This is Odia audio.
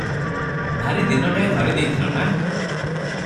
ଭାରି ଦିନଟାଏ ଧରି ଦେଇଥିଲ ନା!